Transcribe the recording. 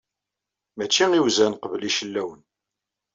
Mačči iwzan qbel icillawen.